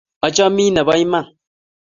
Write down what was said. Achamin nepo iman